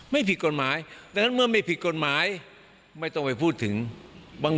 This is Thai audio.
ไม่ผิดกฎหมายดังนั้นเมื่อไม่ผิดกฎหมายไม่ต้องไปพูดถึงบาง